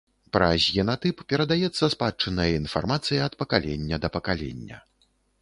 Праз генатып перадаецца спадчынная інфармацыя ад пакалення да пакалення.